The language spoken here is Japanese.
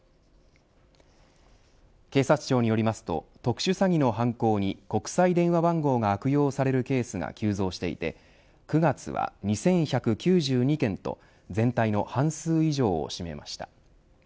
警察庁によりますと特殊詐欺の犯行に国際電話番号が悪用されるケースが急増していて９月は２１９２件と全体の半数以上を占めました。